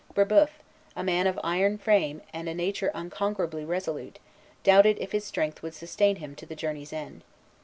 Brébeuf, a man of iron frame and a nature unconquerably resolute, doubted if his strength would sustain him to the journey's end.